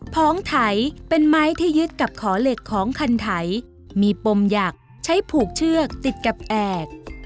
ของไถเป็นไม้ที่ยึดกับขอเหล็กของคันไถมีปมหยักใช้ผูกเชือกติดกับแอก